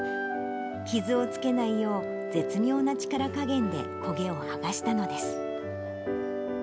傷をつけないよう、絶妙な力加減で焦げを剥がしたのです。